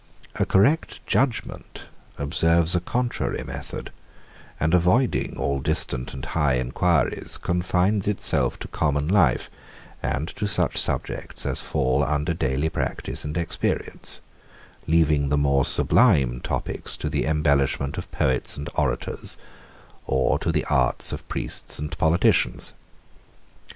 A correct Judgement observes a contrary method, and avoiding all distant and high enquiries, confines itself to common life, and to such subjects as fall under daily practice and experience; leaving the more sublime topics to the embellishment of poets and orators, or to the arts of priests and politicians.